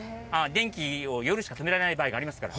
電気を夜しかためられない場合がありますから。